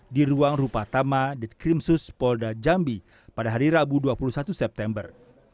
di ruang rupa tama ditkrimsus polda jambi pada hari rabu dua puluh satu september